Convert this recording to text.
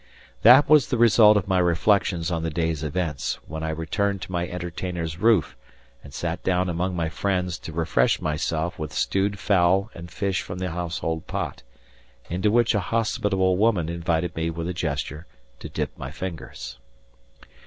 That was the result of my reflections on the day's events when I returned to my entertainer's roof and sat down among my friends to refresh myself with stewed fowl and fish from the household pot, into which a hospitable woman invited me with a gesture to dip my fingers.